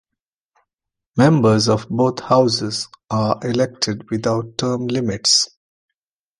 Members of both houses are elected without term limits.